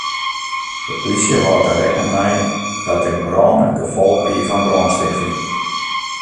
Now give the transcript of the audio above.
De plysje hâldt der rekken mei dat de brân it gefolch wie fan brânstichting.